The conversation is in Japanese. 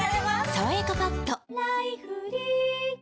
「さわやかパッド」